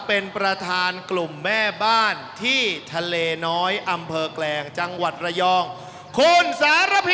เป็นประธานกลุ่มแม่บ้านที่ทะเลน้อยอำเภอแกลงจังหวัดระยองคุณสารพิษ